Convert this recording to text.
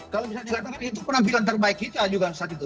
kalau bisa dikatakan itu penampilan terbaik kita juga saat itu